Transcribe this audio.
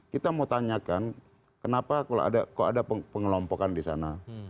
kita mau tanyakan kenapa kok ada pengelompokan di sana